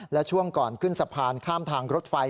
และช่วงก่อนขึ้นสะพานข้ามทางรถไฟ